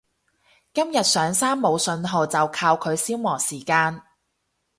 今日上山冇訊號就靠佢消磨時間